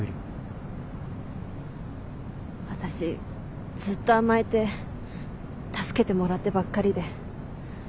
私ずっと甘えて助けてもらってばっかりで。